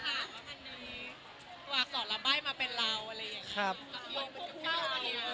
คุณสามารถว่าสอนรับใบ้มาเป็นราวอะไรอย่างนี้